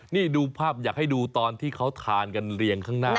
นี่ดูภาพอยากให้ดูตอนที่เขาทานกันเรียงข้างหน้า